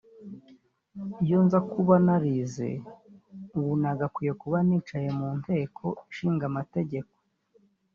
Iyo nza kuba narize ubu nagakwiye kuba nicaye mu Nteko Ishinga amategeko